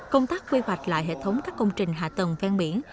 công tác quy hoạch lại hệ thống các công trình hạ tầng ven biển